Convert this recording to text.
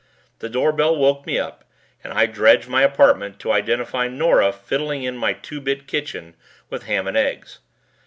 The doorbell woke me up and I dredged my apartment to identify Nora fiddling in my two bit kitchen with ham and eggs.